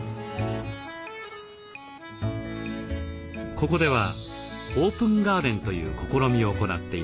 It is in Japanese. ここではオープンガーデンという試みを行っています。